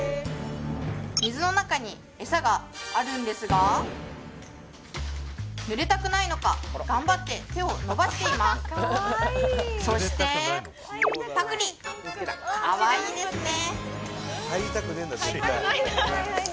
水の中にエサがあるんですが濡れたくないのか頑張って手を伸ばしていますそしてパクリかわいいですね